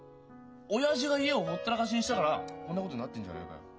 親父が家をほったらかしにしたからこんなことになってんじゃねえかよ。